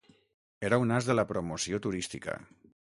Era un as de la promoció turística.